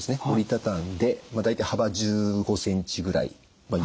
折り畳んで大体幅１５ｃｍぐらい。